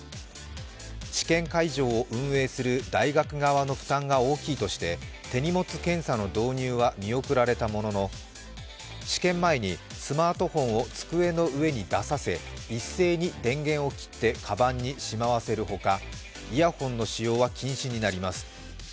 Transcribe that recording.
試験会場を運営する大学側の負担が大きいとして手荷物検査の導入は見送れたものの試験前にスマートフォンを机の上に出させ、一斉に電源を切ってかばんにしまわせるほか、イヤホンの使用は禁止になります。